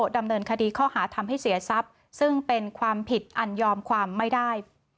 ดำเนินคดีข้อหาทำให้เสียทรัพย์ซึ่งเป็นความผิดอันยอมความไม่ได้